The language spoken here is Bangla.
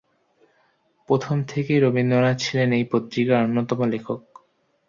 প্রথম থেকেই রবীন্দ্রনাথ ছিলেন এই পত্রিকার অন্যতম লেখক।